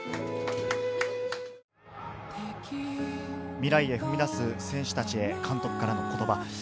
未来へ踏み出す選手たちへ監督からの言葉。